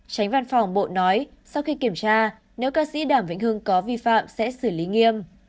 tránh văn phòng bộ nói sau khi kiểm tra nếu ca sĩ đàm vĩnh hưng có vi phạm sẽ xử lý nghiêm